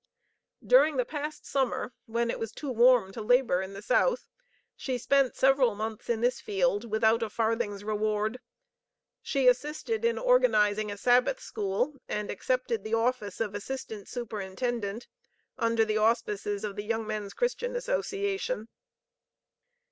During the past summer when it was too warm to labor in the South she spent several months in this field without a farthing's reward. She assisted in organizing a Sabbath school, and accepted the office of Assistant Superintendent under the auspices of the Young Men's Christian Association.